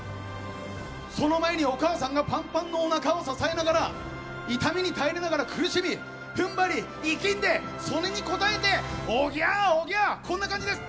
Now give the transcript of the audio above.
その前にお母さんがパンパンのおなかを抱えながら痛みに耐えながら苦しみ踏ん張り、いきんでそれに応えておぎゃーおぎゃーこんな感じです！